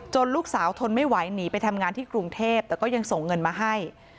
ลูกสาวทนไม่ไหวหนีไปทำงานที่กรุงเทพแต่ก็ยังส่งเงินมาให้